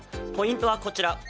ポイントはこちら。